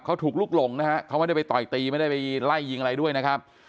เขาถูกลุกหลงนะฮะเขาไม่ได้ไปต่อยตีไม่ได้ไปไล่ยิงอะไรด้วยนะครับ